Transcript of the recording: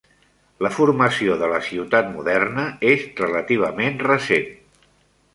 La formació de la ciutat moderna és relativament recent.